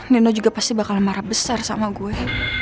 neno juga pasti bakal marah besar sama gue